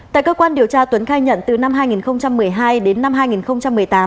tại cơ quan điều tra tuấn khai nhận từ năm hai nghìn một mươi hai đến năm hai nghìn một mươi tám